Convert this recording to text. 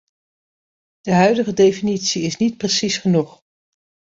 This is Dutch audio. De huidige definitie is niet precies genoeg.